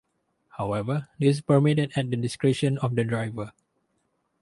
However, this is permitted at the discretion of the driver.